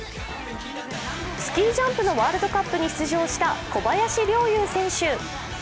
スキージャンプのワールドカップに出場した小林陵侑選手。